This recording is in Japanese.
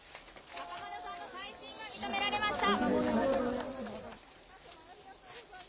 袴田さんの再審が認められました。